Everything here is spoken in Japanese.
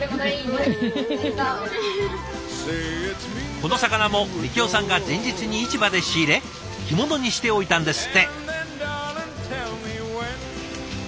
この魚も樹生さんが前日に市場で仕入れ干物にしておいたんですって。